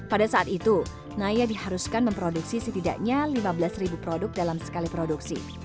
pada saat itu naya diharuskan memproduksi setidaknya lima belas ribu produk dalam sekali produksi